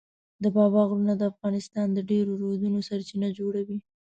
د بابا غرونه د افغانستان د ډېرو رودونو سرچینه جوړوي.